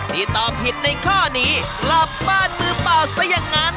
ที่ตอบผิดในข้อนี้หลับบ้านมือเปล่าแสดงงาน